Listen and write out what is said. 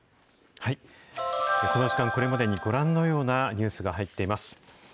この時間、これまでにご覧のようなニュースが入っています。